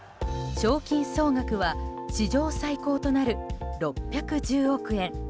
賞金総額は史上最高となる６１０億円。